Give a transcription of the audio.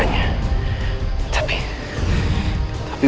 aku akan menangkapmu